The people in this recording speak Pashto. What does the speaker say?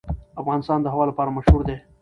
افغانستان د هوا لپاره مشهور دی.